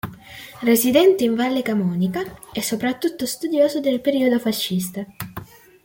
Residente in Valle Camonica, è soprattutto studioso del periodo fascista.